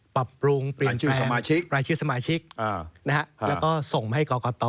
ปรับปรุงปรินแปลงรายชื่อสมาชิกนะฮะแล้วก็ส่งให้กรกต